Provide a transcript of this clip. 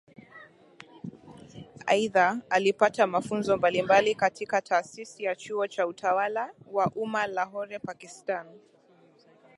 Aidha alipata mafunzo mbalimbali katika Taasisi ya Chuo cha Utawala wa Umma Lahore Pakistan